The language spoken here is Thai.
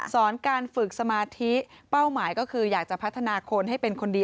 สอนการฝึกสมาธิเป้าหมายก็คืออยากจะพัฒนาคนให้เป็นคนดี